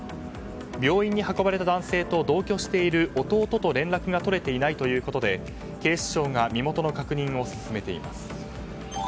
病院に運ばれた男性と同居している弟と連絡が取れていないということで警視庁が身元の確認を進めています。